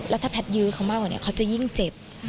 แล้วถ้าแพทยื้อเขามากกว่านี้เขาจะยิ่งเจ็บ